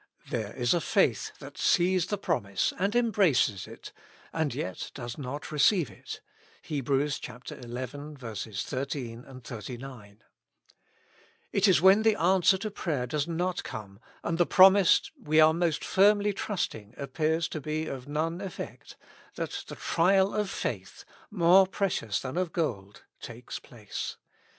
There is a faith that sees the promise and embraces it, and yet does not receive it (Heb. xi. 13, 39). It is when the an 67 With Christ in the School of Prayer. swer to prayer does not come, and the promise we are most firmly trusting appears to be of none effect, that the trial of faith, more precious than of gold, takes place.